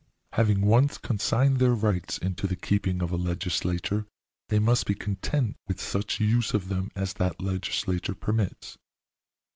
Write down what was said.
Having once consigned their rights into the keeping of a legislature, they must be content with such use of them as that legislature permits."